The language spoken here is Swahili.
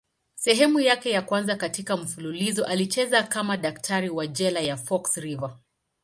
Sehemu yake ya kwanza katika mfululizo alicheza kama daktari wa jela ya Fox River.